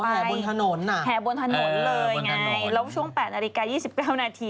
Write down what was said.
แห่บนถนนอ่ะแห่บนถนนเลยไงแล้วช่วง๘นาฬิกา๒๙นาที